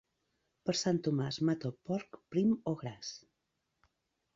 Per Sant Tomàs mata el porc, prim o gras.